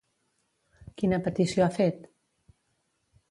Quina petició ha fet?